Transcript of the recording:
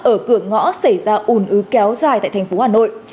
ở cửa ngõ xảy ra ủn ứ kéo dài tại thành phố hà nội